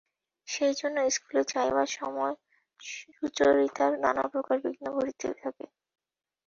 সেইজন্য ইস্কুলে যাইবার সময় সুচরিতার নানাপ্রকার বিঘ্ন ঘটিতে থাকিত।